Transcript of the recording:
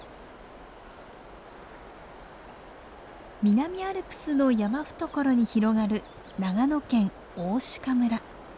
南アルプスの山懐に広がる長野県大鹿村。